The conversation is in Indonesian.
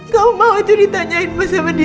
kamu mau itu ditanyain mas sama dia